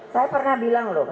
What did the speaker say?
saya pernah bilang loh